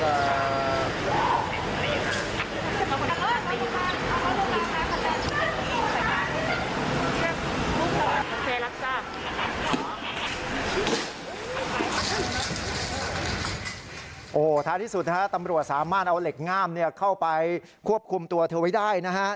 โอ้โหท้ายที่สุดนะฮะตำรวจสามารถเอาเหล็กง่ามเข้าไปควบคุมตัวเธอไว้ได้นะฮะ